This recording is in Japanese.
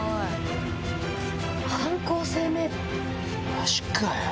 マジかよ！